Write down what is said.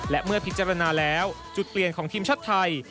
และเมื่อพิจารณาแล้วจุดเปลี่ยนของทีมชาติไทย